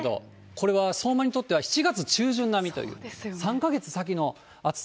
これは相馬にとっては７月中旬並みという、３か月先の暑さ。